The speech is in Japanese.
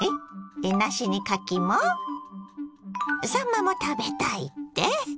さんまも食べたいって？